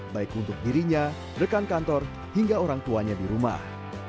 baik untuk dirinya rekan kantor hingga orang tuanya di rumah